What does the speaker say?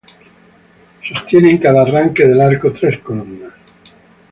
Sostienen cada arranque del arco tres columnas.